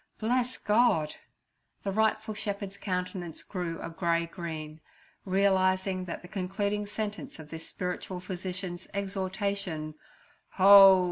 'Bless God!' The rightful shepherd's countenance grew a grey green, realizing that the concluding sentence of this spiritual physician's exhortation, 'Ho!